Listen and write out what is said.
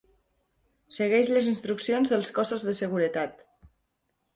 Segueix les instruccions dels cossos de seguretat.